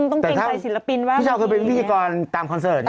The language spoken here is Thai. แบบเราก็ต้องเต็มใจศิลปินว่าพี่ชาวเคยเป็นพิธีกรตามคอนเสิร์ต